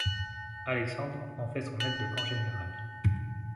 Alexandre en fait son aide-de-camp général.